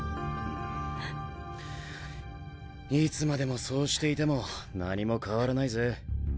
いつまでもそうしていても何も変わらないぜ。